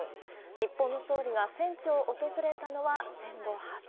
日本の総理が戦地を訪れたのは戦後初。